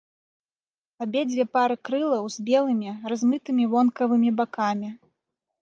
Абедзве пары крылаў з белымі, размытымі вонкавымі бакамі.